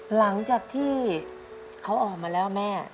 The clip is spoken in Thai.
หลังจากที่เขาออกมาแล้วแม่